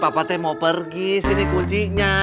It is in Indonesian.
papa mau pergi sini kuncinya